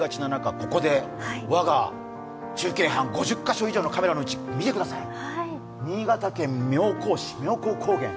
ここでわが中継班、５０カ所以上のカメラのうち見てください、新潟県妙高市、妙高高原。